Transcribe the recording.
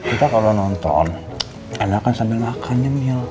kita kalau nonton enakan sambil makan ya mil